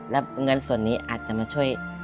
แล้วเงินส่วนนี้อาจจะมาช่วย